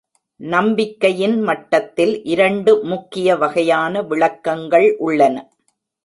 நம்பிக்கையின் மட்டத்தில், இரண்டு முக்கிய வகையான விளக்கங்கள் உள்ளன.